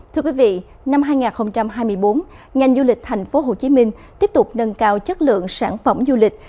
thưa quý vị năm hai nghìn hai mươi bốn ngành du lịch thành phố hồ chí minh tiếp tục nâng cao chất lượng sản phẩm du lịch